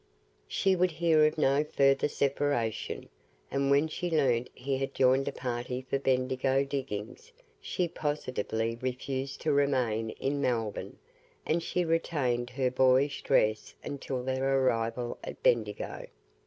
She would hear of no further separation, and when she learnt he had joined a party for the Bendigo diggings, she positively refused to remain in Melbourne, and she retained her boyish dress until their arrival at Bendigo.